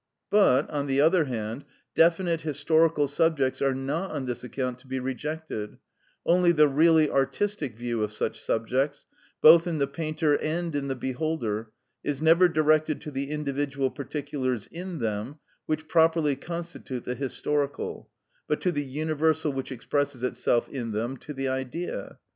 But, on the other hand, definite historical subjects are not on this account to be rejected, only the really artistic view of such subjects, both in the painter and in the beholder, is never directed to the individual particulars in them, which properly constitute the historical, but to the universal which expresses itself in them, to the Idea.